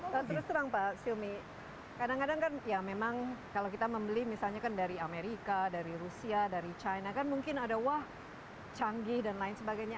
terus terang pak silmi kadang kadang kan ya memang kalau kita membeli misalnya kan dari amerika dari rusia dari china kan mungkin ada wah canggih dan lain sebagainya